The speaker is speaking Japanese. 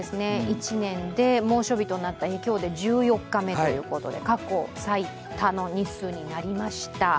１年で猛暑日となった日、今日で１４日目ということで過去最多の日数になりました。